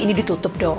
ini ditutup dong